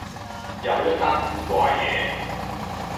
又一單古怪野